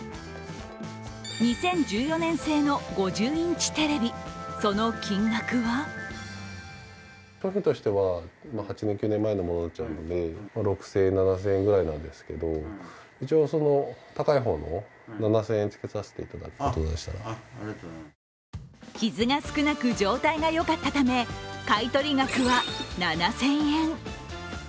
２０１４年製の５０インチテレビ、その金額は傷が少なく状態がよかったため、買い取り額は７０００円。